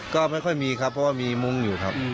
ก็ไม่ค่อยมีครับเพราะว่ามีมุ้งอยู่ครับ